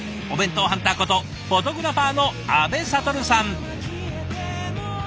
お弁当ハンターことフォトグラファーの阿部了さん。